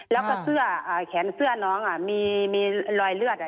แล้วก็เสื้ออ่าแขนเสื้อน้องอ่ะมีมีรอยเลือดอ่ะ